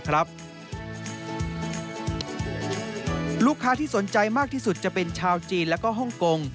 ลูกค้าที่สนใจมากที่สุดจะเป็นชาวจีนแล้วก็ฮ่องกง